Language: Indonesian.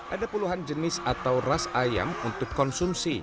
ada puluhan jenis atau ras ayam untuk konsumsi